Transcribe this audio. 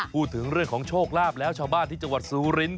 พูดถึงเรื่องของโชคลาภแล้วชาวบ้านที่จังหวัดซูรินท